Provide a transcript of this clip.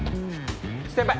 先輩。